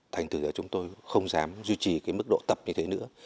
thành từ giờ chúng tôi không dám duy trì cái mức độ tập như thế nữa